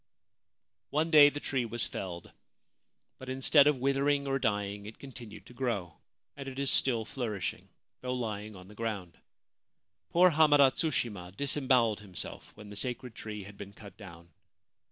One day the tree was felled ; but, instead of withering or dying, it continued to grow, and it is still flourishing, though lying on the ground. Poor Hamada Tsushima disembowelled himself when the sacred tree had been cut down.